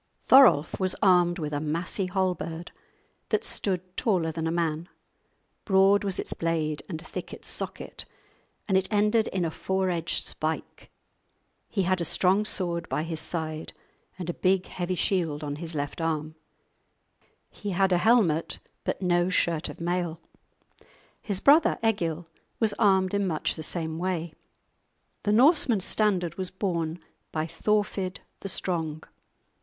Thorolf was armed with a massy halberd that stood taller than a man; broad was its blade and thick its socket, and it ended in a four edged spike. He had a strong sword by his side and a big, heavy shield on his left arm; he had a helmet but no shirt of mail. His brother Egil was armed in much the same way. The Norsemen's standard was borne by Thorfid the strong.